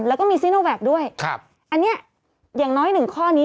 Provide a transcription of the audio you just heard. แล้วก็มีซิโนแวคด้วยครับอันเนี้ยอย่างน้อยหนึ่งข้อนี้